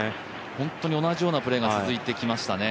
本当に同じようなプレーが続いてきましたね。